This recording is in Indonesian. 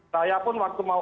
saya pun waktu mau